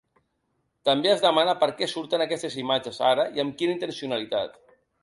També es demana per què surten aquestes imatges ara i amb quina intencionalitat.